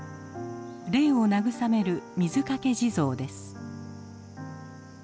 霊を慰める水掛地蔵です。